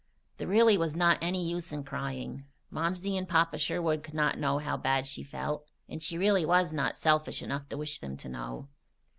There really was not any use in crying. Momsey and Papa Sherwood could not know how bad she felt, and she really was not selfish enough to wish them to know.